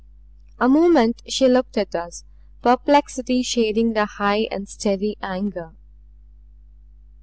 A moment she looked at us, perplexity shading the high and steady anger.